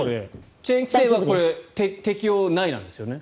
チェーン規制は適用内なんですよね？